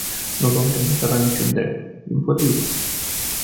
Nu vom renunța la nici un drept, dimpotrivă.